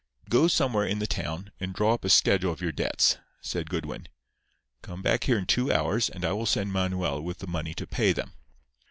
"Go somewhere in the town and draw up a schedule of your debts," said Goodwin. "Come back here in two hours, and I will send Manuel with the money to pay them.